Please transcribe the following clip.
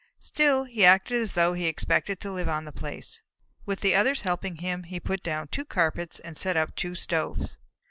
Still he acted as though he expected to live on the place. With the others helping him, he put down two carpets and set up two stoves.